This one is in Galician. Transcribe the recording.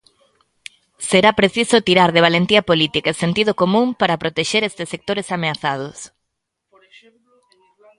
Será preciso tirar de valentía política e sentido común para protexer estes sectores ameazados.